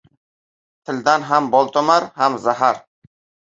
• Tildan ham bol tomar, ham — zahar.